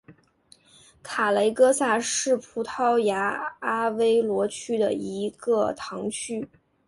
卡雷戈萨是葡萄牙阿威罗区的一个堂区。